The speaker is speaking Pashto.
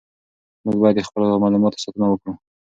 موږ باید د خپلو معلوماتو ساتنه وکړو.